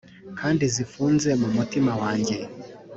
kandi zifunze mu mutima wanjye